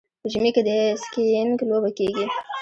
په ژمي کې د سکیینګ لوبه کیږي.